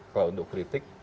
kalau untuk kritik